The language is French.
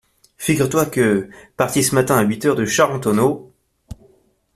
Figure-toi que, parti ce matin à huit heures de Charentonneau…